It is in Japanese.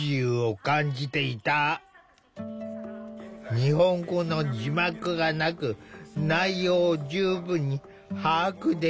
日本語の字幕がなく内容を十分に把握できなかったのだ。